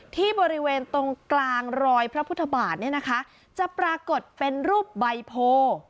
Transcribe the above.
ที่บริเวณตรงกลางรอยพระพุทธบาทเนี่ยนะคะจะปรากฏเป็นรูปใบโพ